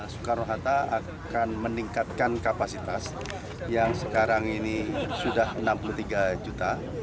soekarno hatta akan meningkatkan kapasitas yang sekarang ini sudah enam puluh tiga juta